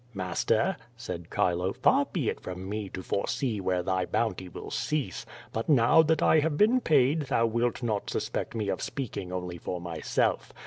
"Master," said C'hilo, "far be it from me to foresee where thy bounty will cease. But now that 1 have been paid thou wilt not suspect me of speaking only for myself.